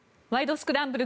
スクランブル」